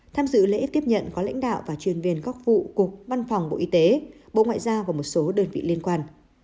tham dự lễ tiếp nhận có lãnh đạo và chuyên viên góp vụ cục văn phòng bộ y tế bộ ngoại giao và một số đơn vị liên quan